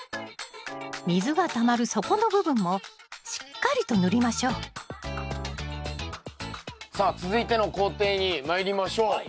水がたまる底の部分もしっかりと塗りましょうさあ続いての工程にまいりましょう。